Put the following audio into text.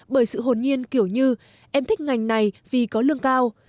bởi sự hồn nhiên kiểu như em thích ngành này vì có lương cao